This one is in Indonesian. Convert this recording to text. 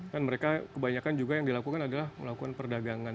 kan mereka kebanyakan juga yang dilakukan adalah melakukan perdagangan